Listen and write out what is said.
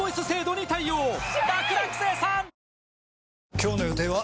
今日の予定は？